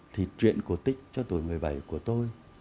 thì chuyện cổ tích cho tuổi một mươi bảy của tôi